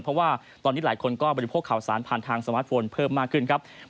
เพราะว่าตอนนี้หลายคนก็บริโภคข่าวสารผ่านทางสมาร์ทโฟนเพิ่มมากขึ้นครับ